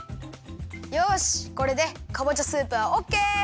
よしこれでかぼちゃスープはオッケー！